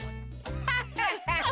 アハハハ！